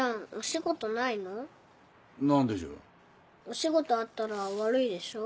お仕事あったら悪いでしょ？